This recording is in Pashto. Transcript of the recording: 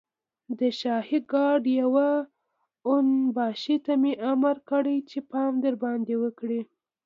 د شاهي ګارډ يوه اون باشي ته مې امر کړی چې پام درباندې وکړي.